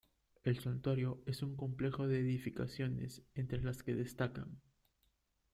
El santuario es un complejo de edificaciones entre las que destacan:.